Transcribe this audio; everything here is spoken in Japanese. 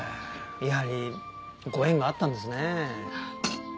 やはりご縁があったんですね。